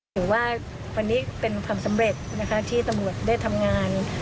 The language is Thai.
ถือว่าวันนี้เป็นความสำเร็จนะคะที่ตำรวจได้ทำงาน